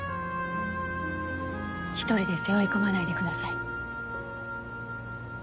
一人で背負い込まないでください。